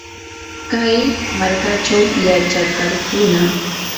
kay markachaw yachakarqunam.